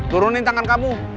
turunin tangan kamu